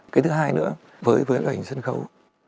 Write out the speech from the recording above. cái thứ hai nữa với hình sân khấu